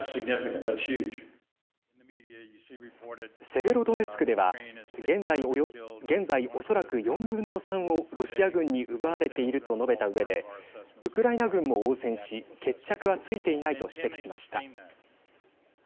セベロドネツクでは現在、おそらく４分の３をロシア軍に奪われていると述べたうえでウクライナ軍も応戦し決着はついていないと指摘しました。